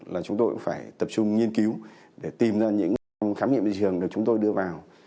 là chúng tôi cũng phải tập trung nghiên cứu để tìm ra những khám nghiệm thị trường được chúng tôi đưa vào